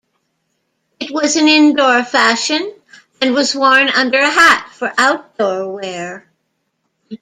It was an indoor fashion, and was worn under a hat for outdoor wear.